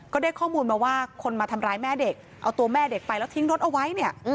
ก็ได้ข้อมูลมาว่าคนมาทำร้ายแม่เด็กเอาตัวแม่เด็กไปแล้วทิ้งรถเอาไว้เนี่ย